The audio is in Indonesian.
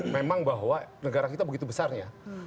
memang bahwa negara kita begitu besarnya